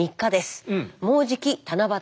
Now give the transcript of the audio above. もうじき七夕です。